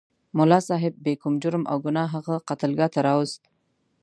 ملا صاحب بې کوم جرم او ګناه هغه قتلګاه ته راوست.